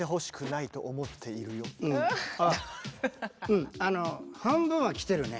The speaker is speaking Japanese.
うんあの半分はきてるね。